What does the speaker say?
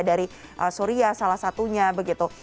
dari suria salah satunya begitu